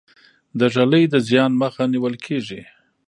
د ږلۍ د زیان مخه نیول کیږي.